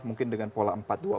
mungkin dengan pola empat dua